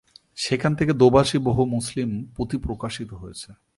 যেখান থেকে দোভাষী বহু মুসলিম পুঁথি প্রকাশিত হয়েছে।